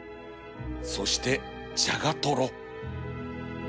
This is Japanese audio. そしてじゃがとろ